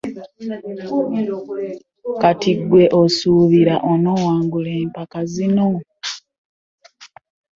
Kati gwe osuubira onawangula empaka zino.